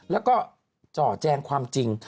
แล้วก็จ่อแจงความจริง